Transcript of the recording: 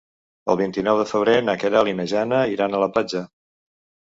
El vint-i-nou de febrer na Queralt i na Jana iran a la platja.